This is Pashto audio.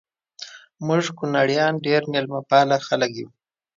مونږ کونړیان ډیر میلمه پاله خلک یو